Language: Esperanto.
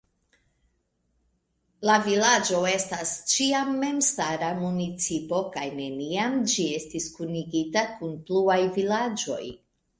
La vilaĝo estis ĉiam memstara municipo kaj neniam ĝi estis kunigita kun pluaj vilaĝoj.